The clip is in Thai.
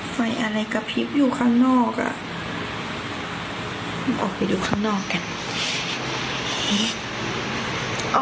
ไฟอะไรกระพริบอยู่ข้างนอกอ่ะมันออกไปดูข้างนอกกัน